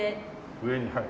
上にはい。